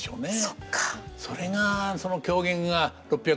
そっか。